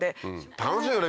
楽しいよね